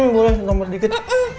boleh ditambah dikit